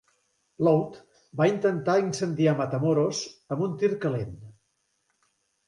Lowd va intentar incendiar Matamoros amb un "tir calent".